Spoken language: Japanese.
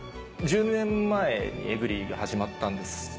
１０年前に『ｅｖｅｒｙ．』が始まったんです。